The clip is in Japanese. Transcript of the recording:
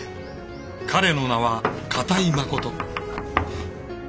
彼の名は片居誠。